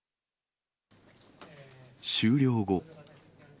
終了後。